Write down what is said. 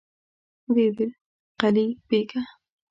ويې ويل: قلي بېګه!